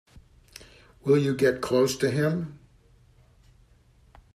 Will you get close to him?